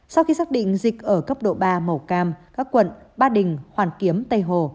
sau khi xác định dịch ở cấp độ ba màu cam các quận ba đình hoàn kiếm tây hồ